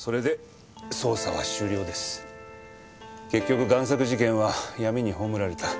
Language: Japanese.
結局贋作事件は闇に葬られた。